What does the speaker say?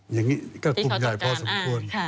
อย่างนี้ก็กลุ่มใหญ่พอสมควร